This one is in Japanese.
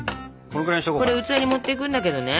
これ器に盛っていくんだけどね。